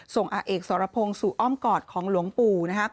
ส่งอาเอกสรพงศ์สู่อ้อมกอดของหลวงปู่นะครับ